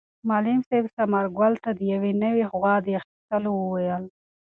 معلم صاحب ثمر ګل ته د یوې نوې غوا د اخیستلو وویل.